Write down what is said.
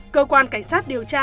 cơ quan cảnh sát điều tra